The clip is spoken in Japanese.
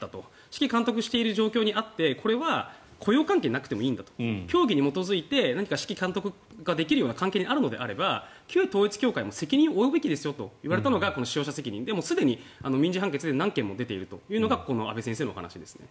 指揮監督している状況であってこれは雇用関係がなくてもいいんだ教義に基づいて何か指揮監督ができるような関係にあるのであれば旧統一教会も責任を負うべきということがこの使用者責任ですでに民事判決で何件も出ているのが阿部先生のお話ですね。